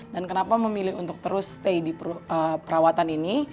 dan kenapa memilih untuk terus stay di perawatan ini